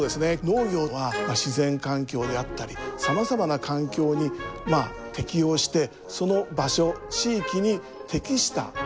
農業は自然環境であったりさまざまな環境に適応してその場所地域に適した食料生産が行われてきました。